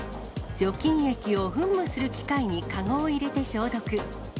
除菌液を噴霧する機械に籠を入れて消毒。